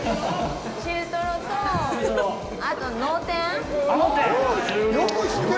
中トロと、あと脳天。